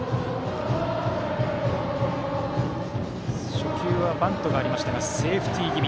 初球はバントがありましたがセーフティー気味。